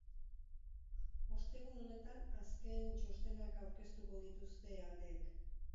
Ostegun honetan azken txostenak aurkeztuko dituzte aldeek.